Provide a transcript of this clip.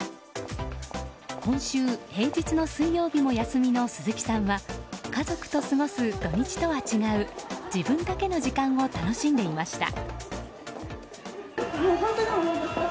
今週、平日の水曜日も休みの鈴木さんは家族と過ごす土日とは違う自分だけの時間を楽しんでいました。